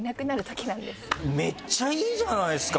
めっちゃいいじゃないですか！